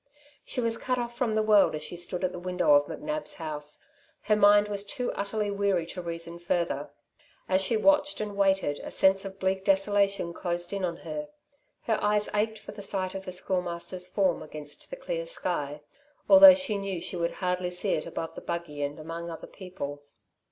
She was cut off from the world as she stood at the window of McNab's house. Her mind was too utterly weary to reason further. As she watched and waited a sense of bleak desolation closed in on her. Her eyes ached for sight of the Schoolmaster's form against the clear sky, although she knew she would hardly see it above the buggy and among other people.